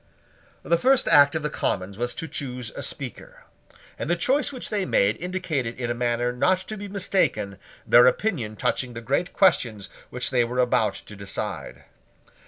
The first act of the Commons was to choose a Speaker; and the choice which they made indicated in a manner not to be mistaken their opinion touching the great questions which they were about to decide.